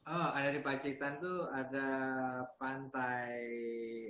oh ada di pacitan tuh ada pantai